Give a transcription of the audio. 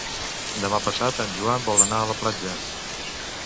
Demà passat en Joan vol anar a la platja.